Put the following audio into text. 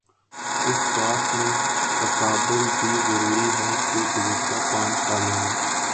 اس باب میں تقابل بھی ضروری ہے کہ گزشتہ پانچ سالوں میں